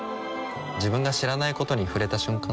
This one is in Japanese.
自分が知らないことに触れた瞬間